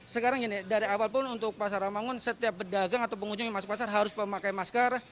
sekarang gini dari awal pun untuk pasar ramangun setiap pedagang atau pengunjung yang masuk pasar harus memakai masker